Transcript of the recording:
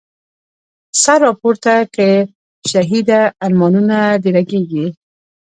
سر را پورته که شهیده، ارمانونه د رږیږی